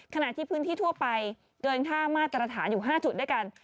ขณะที่พื้นที่ทั่วไปเกินค่ามาตรฐานอยู่๕จุดด้วยกัน